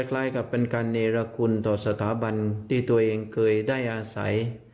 คล้ายกับเป็นการเนรคุณต่อสถาบันที่ตัวเองเคยได้อาศัย